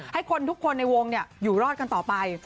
ให้คนทุกคนในวงอยู่รอดกันต่อไป